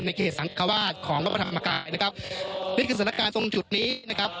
เขตสังควาสของพระธรรมกายนะครับนี่คือสถานการณ์ตรงจุดนี้นะครับ